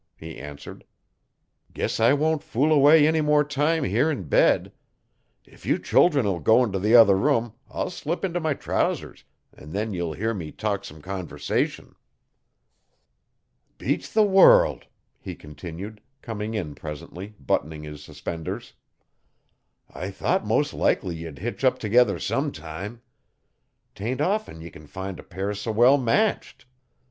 he answered. 'Guess I won't fool away any more time here in bed. If you childen'll go in t'other room I'll slip into my trousers an' then ye'll hear me talk some conversation. 'Beats the world!' he continued, coming in presently, buttoning his suspenders. 'I thought mos' likely ye'd hitch up t'gether sometime. 'Tain't often ye can find a pair s'well matched.